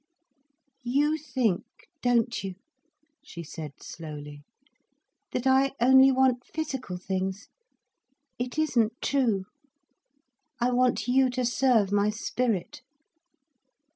"You think, don't you," she said slowly, "that I only want physical things? It isn't true. I want you to serve my spirit."